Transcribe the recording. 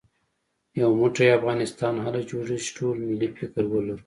يو موټی افغانستان هله جوړېږي چې ټول ملي فکر ولرو